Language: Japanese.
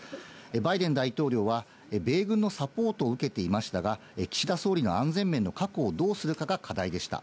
バイデン大統領は米軍のサポートを受けていましたが、岸田総理の安全面の確保をどうするかが課題でした。